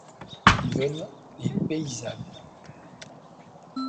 Yvonne est paysanne.